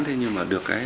thế nhưng mà được